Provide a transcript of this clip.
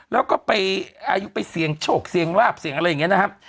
แล้วก็ไปอายุไปเซียงโชกเซียงรวาปเซียงอะไรเงี้ยนะครับ